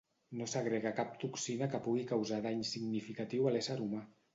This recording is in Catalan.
No segrega cap toxina que pugui causar dany significatiu a l'ésser humà.